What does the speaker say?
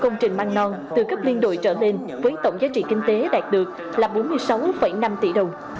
bảy một trăm bảy mươi một công trình mang non từ cấp liên đội trở lên với tổng giá trị kinh tế đạt được là bốn mươi sáu năm tỷ đồng